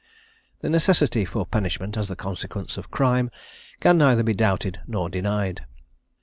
The necessity for punishment as the consequence of crime, can neither be doubted nor denied.